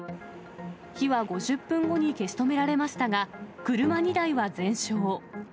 火は５０分後に消し止められましたが、車２台は全焼。